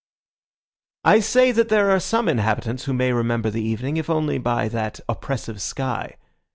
I say that there are some inhabitants who may remember the evening if only by that oppressive sky.